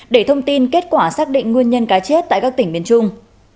để thông tin kết quả xác định nguyên nhân cá chết tại các tỉnh miền trung